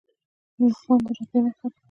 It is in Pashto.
نښان د رتبې نښه ده